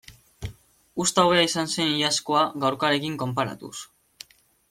Uzta hobea izan zen iazkoa gaurkoarekin konparatuz.